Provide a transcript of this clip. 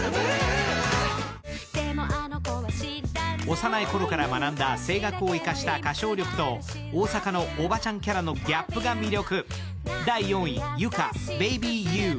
幼いころから学んだ声楽を生かした歌唱力と大阪のおばちゃんキャラのギャップが魅力。